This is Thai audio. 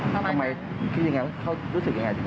ทำไมคิดอย่างไรเขารู้สึกอย่างไรจริง